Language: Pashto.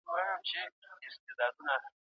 هغه څوک چي استدلال کوي پوهه یې زیاته ده.